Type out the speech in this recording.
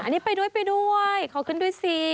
อันนี้ไปด้วยเขาขึ้นด้วยสิ